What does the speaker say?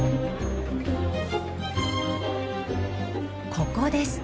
ここです。